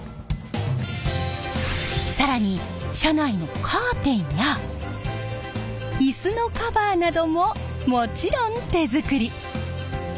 更に車内のカーテンやイスのカバーなどももちろん手作り！